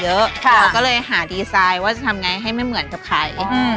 เราก็เลยหาดีไซน์ว่าจะทำไงให้ไม่เหมือนกับใคร